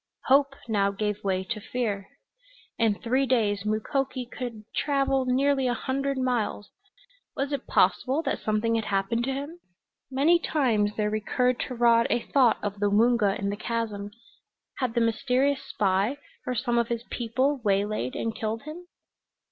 Hope now gave way to fear. In three days Mukoki could travel nearly a hundred miles. Was it possible that something had happened to him? Many times there recurred to Rod a thought of the Woonga in the chasm. Had the mysterious spy, or some of his people, waylaid and killed him?